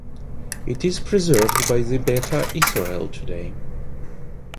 It is preserved by the Beta Israel today.